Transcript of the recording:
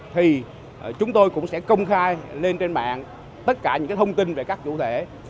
thì chúng tôi cũng sẽ công khai lên trên mạng tất cả những thông tin về các chủ thể